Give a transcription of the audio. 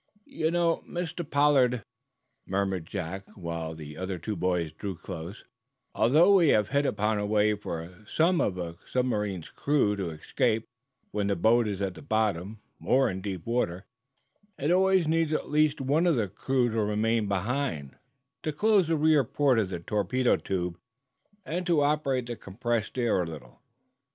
"You know, Mr. Pollard," murmured Jack, while the other two boys drew close, "although we have hit upon the way for some of a submarine's crew to escape when the boat is at the bottom, or in deep water, it always needs at least one of the crew to remain behind to close the rear port of the torpedo tube and to operate the compressed air a little.